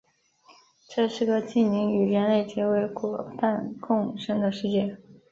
这是个精灵与人类结为夥伴共生的世界。